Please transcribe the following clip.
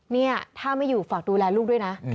นี่ถ้าไม่อยู่ฝากดูแลลูกด้วยนะ